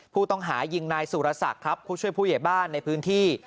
ผู้ต้องหายิงนายสุรศักดิ์ครับผู้ช่วยผู้ใหญ่บ้านในพื้นที่